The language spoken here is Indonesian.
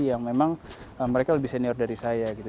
yang memang mereka lebih senior dari saya gitu